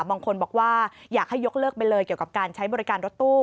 บางคนบอกว่าอยากให้ยกเลิกไปเลยเกี่ยวกับการใช้บริการรถตู้